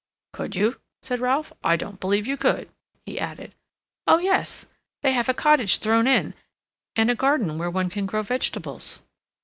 "Could you?" said Ralph. "I don't believe you could," he added. "Oh yes. They have a cottage thrown in, and a garden where one can grow vegetables.